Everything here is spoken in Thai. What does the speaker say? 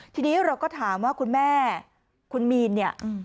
ทีนี้เราก็ถามว่าคุณแม่คุณมีนเนี่ย